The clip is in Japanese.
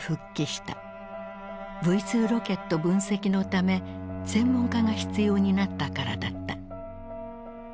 Ｖ２ロケット分析のため専門家が必要になったからだった。